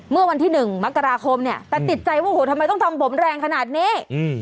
เมื่อวันที่หนึ่งมกราคมเนี่ยแต่ติดใจว่าโหทำไมต้องทำผมแรงขนาดนี้